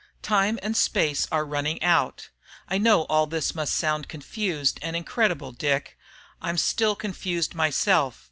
Time and space are running out. I know all this must sound confused and incredible, Dick; I'm still confused myself.